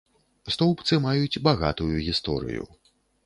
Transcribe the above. Стоўбцы маюць багатую гісторыю.